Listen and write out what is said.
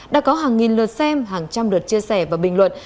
đã có hàng nghìn lượt xem hàng trăm lượt chia sẻ và bình luận